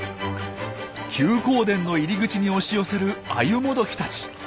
休耕田の入り口に押し寄せるアユモドキたち。